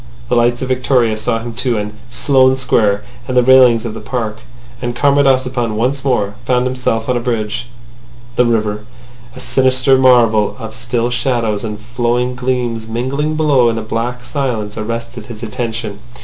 The lights of Victoria saw him too, and Sloane Square, and the railings of the park. And Comrade Ossipon once more found himself on a bridge. The river, a sinister marvel of still shadows and flowing gleams mingling below in a black silence, arrested his attention.